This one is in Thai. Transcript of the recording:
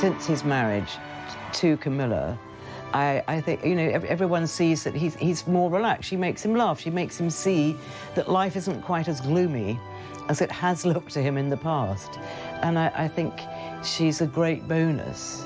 และฉันคิดว่าเจ้าฟ้าชายชาวส์เป็นเจ้าชายนักกิจกรรม